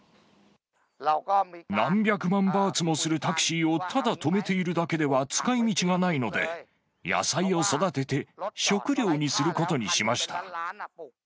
何百万バーツもするタクシーを、ただ止めているだけでは使いみちがないので、野菜を育てて、食料にすることにしました。